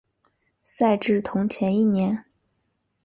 赛制同前一年。